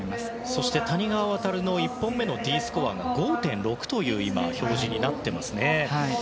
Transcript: そして谷川航の１本目のＤスコアが５．６という表示になっていますね。